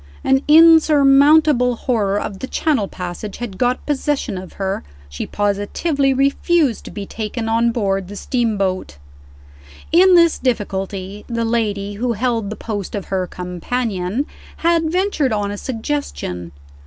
An insurmountable horror of the Channel passage had got possession of her; she positively refused to be taken on board the steamboat. In this difficulty, the lady who held the post of her "companion" had ventured on a suggestion.